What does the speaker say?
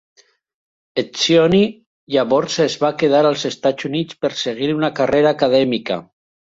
Etzioni, llavors es va quedar als Estats Units per seguir una carrera acadèmica.